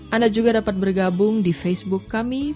anda juga dapat bergabung di facebook kami